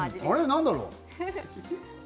何だろう？